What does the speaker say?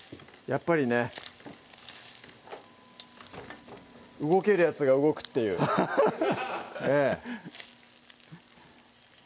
やっぱりね動けるヤツが動くっていうハハハハッ